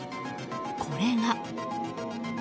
これが。